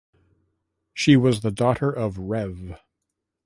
She was the daughter of Rev.